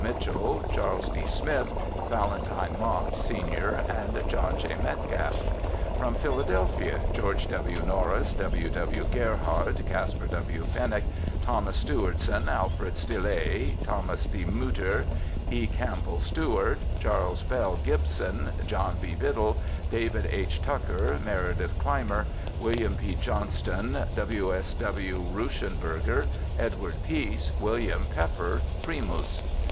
Mitchell, Charles D. Smith, Valentine Mott, sen., and John T. Metcalfe. From Philadelphia : Geo. W. Norris, W. W. Gerhard, Caspar W. Pennock, Thomas Stewardson, Alfred Stille, Thomas D. Mutter, E. Campbell Stewart, Charles Bell Gibson, John B. Biddle, David H. Tucker, Meredith Clymer, Wm. P. Johnston, W. S. W. Ruschenberger, Edward Peace, William Pepper (primus).